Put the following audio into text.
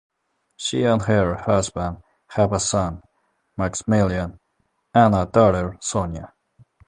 She and her husband have a son, Maksymilian, and a daughter, Sonia.